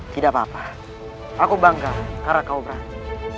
tidak apa apa aku bangga karena kau berani